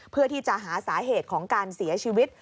เพื่อที่จะหาสาเหตุของการเสียชีวิต